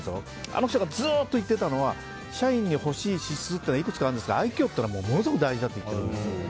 あの人がずっと言っていたのは社員に欲しい指数がいくつかあるんですが愛嬌はものすごく大事だと言っているんです。